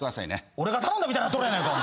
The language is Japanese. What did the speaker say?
俺が頼んだみたいになっとるやないか！